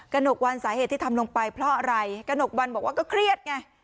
หนกวันสาเหตุที่ทำลงไปเพราะอะไรกระหนกวันบอกว่าก็เครียดไง